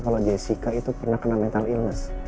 kalau jessica itu pernah kena mental ilness